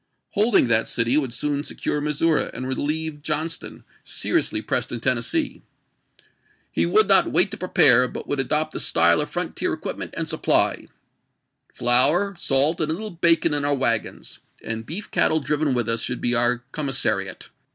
Holding that city would soon secure Missouri and relieve John PEA KIDGE AND ISLAND NO. 10 291 ston, seriously pressed in Tennessee. He would ch. xvii. not wait to prepare, but would adopt the style of frontier equipment and supply ;" Flour, salt, and a little bacon in our wasrons, and beef cattle vauDom to Price driven with us, should be our commissariat.